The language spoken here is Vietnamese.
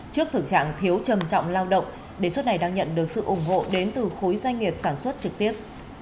trước thực trạng thiếu trầm trọng lao động đề xuất này đang nhận được sự ủng hộ đến từ khối doanh nghiệp sản xuất trực tiếp